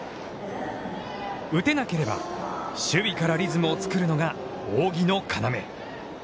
打てなければ、守備からリズムを作るのが扇の要。